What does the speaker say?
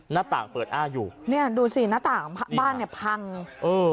หน้าต่างเปิดอ้าอยู่เนี่ยดูสิหน้าต่างบ้านเนี่ยพังเออ